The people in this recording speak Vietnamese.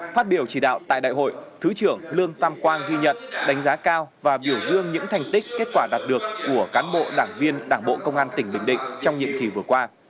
phát biểu chỉ đạo tại đại hội thứ trưởng lương tam quang ghi nhận đánh giá cao và biểu dương những thành tích kết quả đạt được của cán bộ đảng viên đảng bộ công an tỉnh bình định trong nhiệm kỳ vừa qua